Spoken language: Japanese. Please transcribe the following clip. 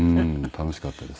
楽しかったです。